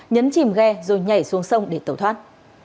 nhấn chìm ghe rồi nhảy xuống sông để tẩu thoát